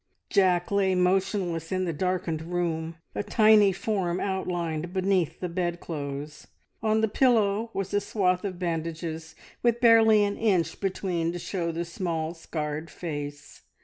Jack lay motionless in the darkened room, a tiny form outlined beneath the bedclothes; on the pillow was a swathe of bandages, with barely an inch between to show the small, scarred face.